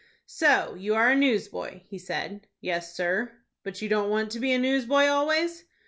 "So you are a newsboy?" he said. "Yes, sir." "But you don't want to be a newsboy always?"